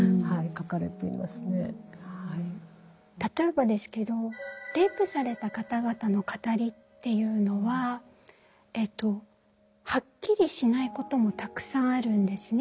例えばですけどレイプされた方々の語りっていうのははっきりしないこともたくさんあるんですね。